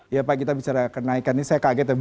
ya pak kita bicara kenaikan ini saya kaget ya bu